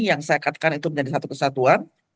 yang saya katakan itu menjadi satu kesatuan